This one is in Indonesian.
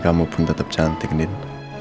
kamu pun tetap cantik nin